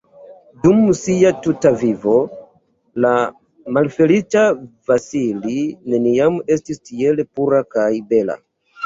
Dum sia tuta vivo, la malfeliĉa Vasili neniam estis tiel pura kaj bela.